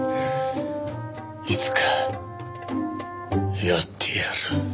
いつかやってやる。